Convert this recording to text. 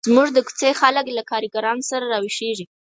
زموږ د کوڅې خلک له کارګرانو سره را ویښیږي.